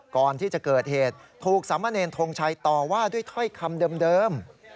ก่อนที่จะเกิดเหตุถูกสามเณรทงชัยต่อว่าด้วยถ้อยคำเดิม